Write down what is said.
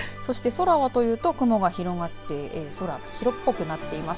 空はというと雲が広がって白っぽくなっています。